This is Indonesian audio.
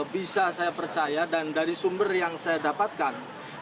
bisa saya percaya dan dari sumber yang saya dapatkan